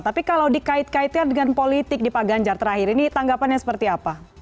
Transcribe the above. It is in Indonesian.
tapi kalau dikait kaitkan dengan politik di pak ganjar terakhir ini tanggapannya seperti apa